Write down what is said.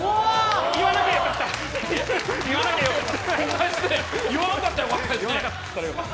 言わなきゃよかった。